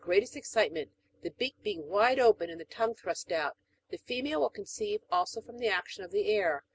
517 greatest excitement, the beak being vride open and the tongue thiTist out. The female ^ill conceive also from the action of the air.